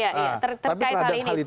oke terkait hal ini